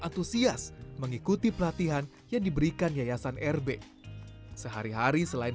antusias mengikuti pelatihan yang diberikan yayasan rb sehari hari selain